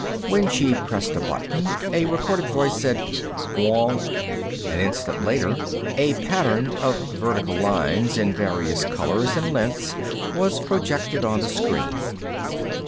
When she pressed a button, a recorded voice said, "Fwoonk." An instant later, a pattern of vertical lines in various colors and lengths was projected on the screen.